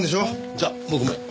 じゃあ僕も。